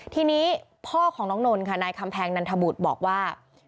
ทีนี้พ่อของน้องนนท์ค่ะนายคำแพงนันทบุตรบอกว่า